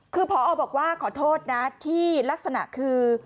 คือพอบอกว่าขอโทษนะที่ลักษณะคือ